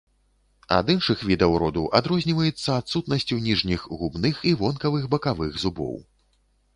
Ад іншых відаў роду адрозніваецца адсутнасцю ніжніх губных і вонкавых бакавых зубоў.